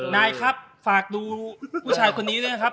นายครับฝากดูผู้ชายคนนี้ด้วยนะครับ